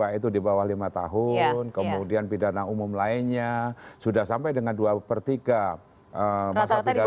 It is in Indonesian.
apakah itu di bawah lima tahun kemudian pidana umum lainnya sudah sampai dengan dua per tiga masa pidana